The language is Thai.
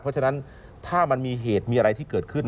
เพราะฉะนั้นถ้ามันมีเหตุมีอะไรที่เกิดขึ้น